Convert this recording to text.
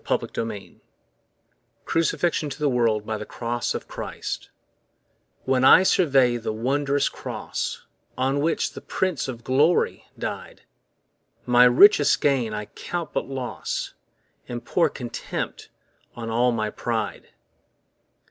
Isaac Watts Crucifixion to the World by the Cross of Christ WHEN I survey the wondrous cross On which the Prince of Glory died, My richest gain I count but loss And pour contempt on all my pride.